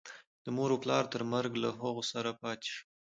د مور و پلار تر مرګه له هغو سره پاتې شو.